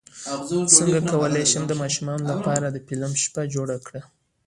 څنګه کولی شم د ماشومانو لپاره د فلم شپه جوړه کړم